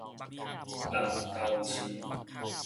南投市